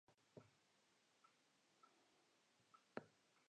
Ik ha der sa tsjinoan sjoen.